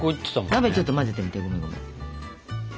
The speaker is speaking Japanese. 鍋ちょっと混ぜてみてごめんごめん。